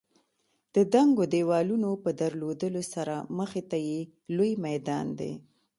د دنګو دېوالونو په درلودلو سره مخې ته یې لوی میدان دی.